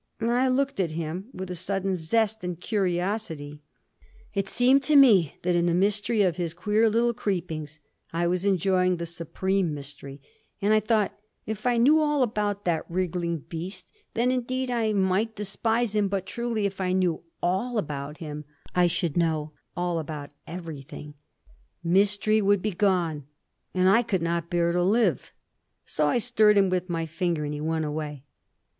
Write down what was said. And I looked at him with a sudden zest and curiosity; it seemed to me that in the mystery of his queer little creepings I was enjoying the Supreme Mystery; and I thought: "If I knew all about that wriggling beast, then, indeed, I might despise him; but, truly, if I knew all about him I should know all about everything—Mystery would be gone, and I could not bear to live!" So I stirred him with my finger and he went away.